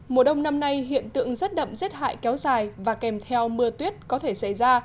mùa đông năm nay hiện tượng rét đậm rét hại kéo dài và kèm theo mưa tuyết có thể xảy ra